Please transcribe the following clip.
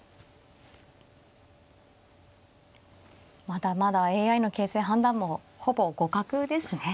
まだまだＡＩの形勢判断もほぼ互角ですね。